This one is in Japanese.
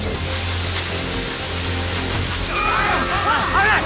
危ない！